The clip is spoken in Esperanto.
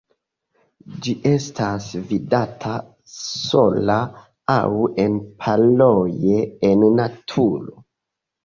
Ĝi estas vidata sola aŭ en paroj en naturo.